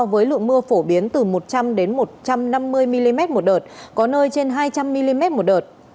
với lượng mưa phổ biến từ một trăm linh một trăm năm mươi mm một đợt có nơi trên hai trăm linh mm một đợt